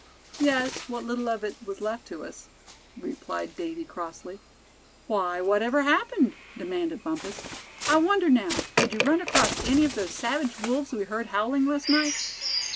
"Yes, what little of it was left to us," replied Davy, crossly. "Why, whatever happened?" demanded Bumpus. "I wonder now, did you run across any of those savage wolves we heard howling last night?"